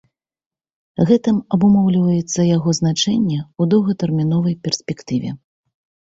Гэтым абумоўлівацца яго значэнне ў доўгатэрміновай перспектыве.